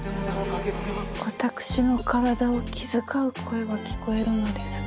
私の体を気遣う声は聞こえるのですが。